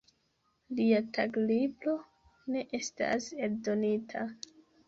Lia taglibro ne estas eldonita.